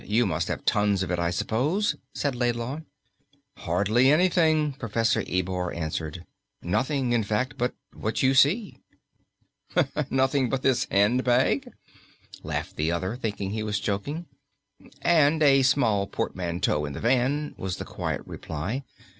You must have tons of it, I suppose?" said Laidlaw. "Hardly anything," Professor Ebor answered. "Nothing, in fact, but what you see." "Nothing but this hand bag?" laughed the other, thinking he was joking. "And a small portmanteau in the van," was the quiet reply.